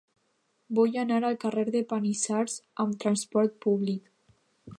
Vull anar al carrer de Panissars amb trasport públic.